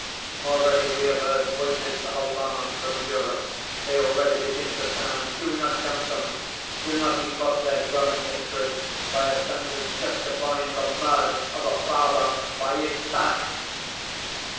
Already we have heard voices of alarm from Europe, they already begin to sound. Do not tempt them! Do not heap up their growing hatred by a sentence justifying the murder of a father by his son!"